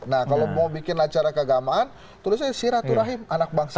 nah kalau mau bikin acara keagamaan tulisnya siraturahim anak bangsa